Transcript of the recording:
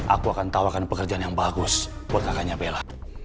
aku akan tawakan pekerjaan yang bagus buat kakaknya bella